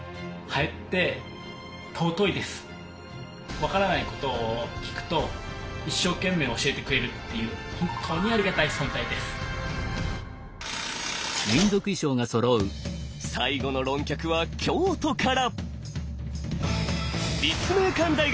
分からないことを聞くと一生懸命教えてくれるっていう最後の論客は京都から！